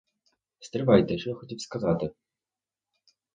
Стривайте, що я хотів сказати?